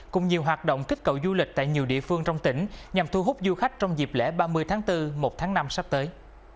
cùng nhiều hoạt động kích cầu du lịch tại nhiều địa phương trong tỉnh nhằm thu hút du khách trong dịp lễ ba mươi tháng bốn một tháng năm sắp tới